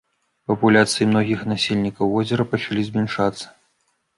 Папуляцыі многіх насельнікаў возера пачалі змяншацца.